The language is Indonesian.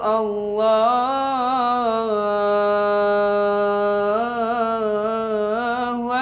kusir syetan syetan itu